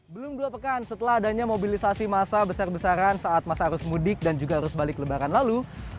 belum dua pekan setelah adanya mobilisasi massa besar besaran saat masa arus mudik dan juga arus balik lebaran lalu